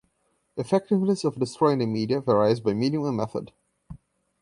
Effectiveness of destroying the media varies by medium and method.